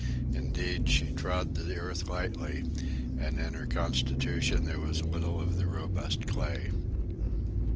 Indeed, she trod the earth lightly, and in her constitution there was little of the robust clay.